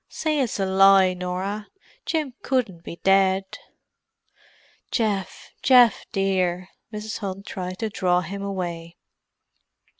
"Say it's a lie, Norah—Jim couldn't be dead!" "Geoff—Geoff, dear!" Mrs. Hunt tried to draw him away.